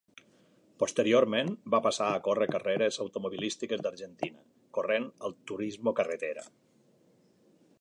Posteriorment va passar a córrer carreres automobilístiques d'Argentina, corrent al Turismo Carretera.